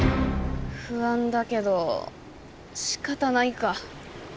不安だけど仕方ないか。